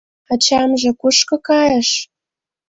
— Ачамже кушко кайыш?